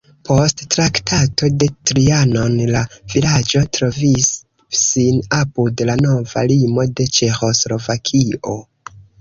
Post Traktato de Trianon la vilaĝo trovis sin apud la nova limo de Ĉeĥoslovakio.